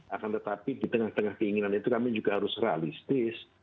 akan tetapi di tengah tengah keinginan itu kami juga harus realistis